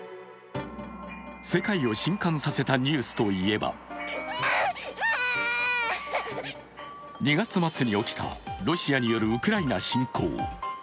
世界を震撼させたニュースといえば２月末に起きたロシアによるウクライナ侵攻。